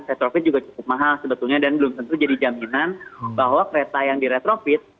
retrofit juga cukup mahal sebetulnya dan belum tentu jadi jaminan bahwa kereta yang di retrofit